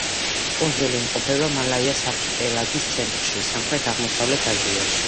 კუნძული იმყოფება მალაის არქიპელაგის ცენტრში, სამხრეთ-აღმოსავლეთ აზიაში.